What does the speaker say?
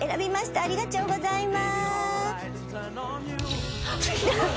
ありがちょうございまーす。